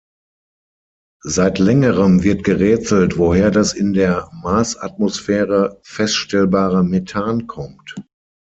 Seit längerem wird gerätselt, woher das in der Marsatmosphäre feststellbare Methan kommt.